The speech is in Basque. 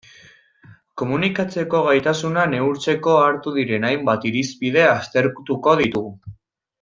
Komunikatzeko gaitasuna neurtzeko hartu diren hainbat irizpide aztertuko ditugu.